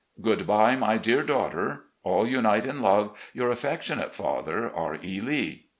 Good bye, my dear daughter. All unite in love. " Your affectionate father, R. E. Lee.